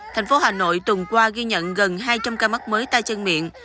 thành phố hà nội tuần qua ghi nhận gần hai trăm linh ca mắc mới tay chân miệng